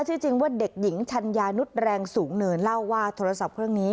จริงว่าเด็กหญิงชัญญานุษย์แรงสูงเนินเล่าว่าโทรศัพท์เครื่องนี้